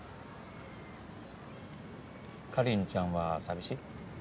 かりんちゃんは寂しい？